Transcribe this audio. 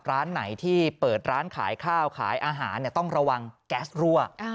ร้านไหนที่เปิดร้านขายข้าวขายอาหารต้องระวังแก๊สรั่ว